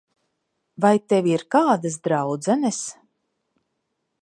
Vai tev ir kādas draudzenes?